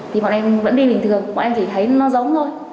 thì bọn em vẫn đi bình thường bọn em chỉ thấy nó giống thôi